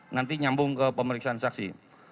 nanti nyambung ke pemeriksaan saksi